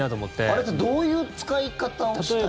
あれってどういう使い方をしたい？